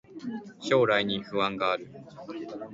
将来に不安がある